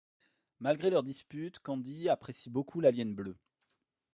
Malgré leurs disputes, Candy apprécie beaucoup l'alien bleu.